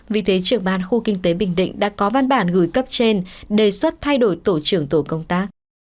vì thế trưởng ban khu kinh tế bình định đã có văn bản gửi cấp trên đề xuất thay đổi tổ trưởng tổ công tác